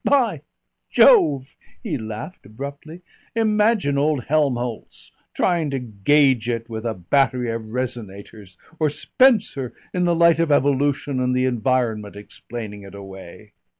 By Jove!" he laughed abruptly. "Imagine old Helmholtz trying to gauge it with a battery of resonators, or Spencer in the light of Evolution and the Environment explaining it away!"